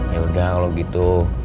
yaudah kalau gitu